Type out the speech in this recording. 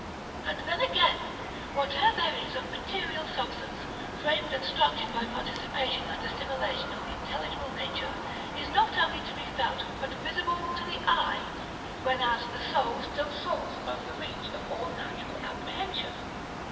And then again, whate'er there is of material sub stance, framed and structured by participation and assimi lation of the intelligible nature is not only to be felt but visible to the eye ; whenas the soul still soars above the reach of all natural apprehension.